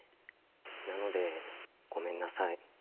なのでごめんなさい。